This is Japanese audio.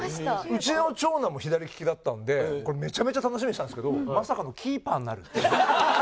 うちの長男も左利きだったんでめちゃめちゃ楽しみにしてたんですけどまさかのキーパーになるっていうね。